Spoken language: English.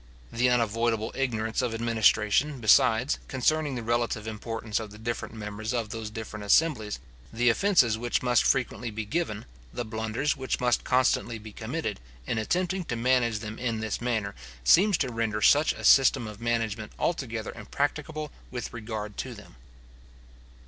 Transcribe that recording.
The unavoidable ignorance of administration, besides, concerning the relative importance of the different members of those different assemblies, the offences which must frequently be given, the blunders which must constantly be committed, in attempting to manage them in this manner, seems to render such a system of management altogether impracticable with regard to them.